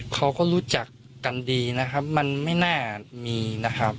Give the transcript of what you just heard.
เขาก็รู้จักกันดีนะครับมันไม่น่ามีนะครับ